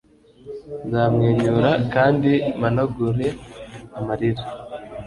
nzamwenyura, kandi mpanagura amarira